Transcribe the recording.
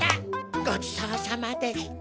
ごちそうさまでした。